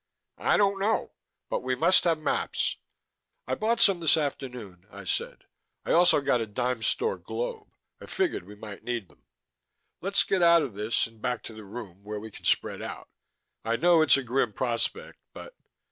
"I don't know. But we must have maps." "I bought some this afternoon," I said. "I also got a dime store globe. I figured we might need them. Let's get out of this and back to the room, where we can spread out. I know it's a grim prospect, but...."